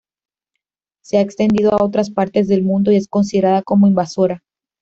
Se ha extendido a otras partes del mundo y es considerada como invasora.